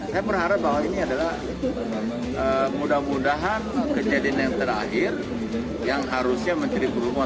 saya berharap bahwa ini adalah mudah mudahan kejadian yang terakhir yang harusnya menteri perhubungan